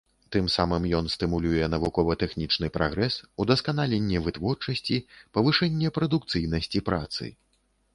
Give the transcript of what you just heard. Тым самым ён стымулюе навукова-тэхнічны прагрэс, удасканаленне вытворчасці, павышэнне прадукцыйнасці працы.